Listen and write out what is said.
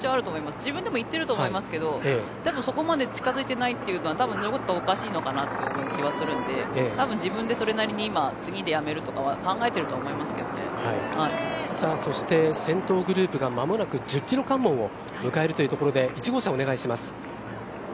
自分でも行ってると思いますけどもでもそこまで近づいてないということはたぶんおかしいのかなという気がするんで自分で次でやめるとかはそして先頭グループが間もなく１０キロ関門を迎えるというところで１号車、お願いします。